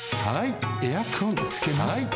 はいエアコンつけます。